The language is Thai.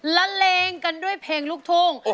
ละเลงกันด้วยเพลงลูกทุ่ง